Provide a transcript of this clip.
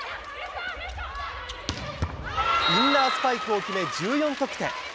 インナースパイクを決め、１４得点。